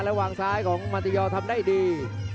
วางซ้ายของมันติยอทำได้ดี